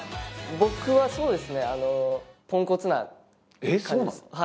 僕はそうですねポンコツな感じですえっそうなの？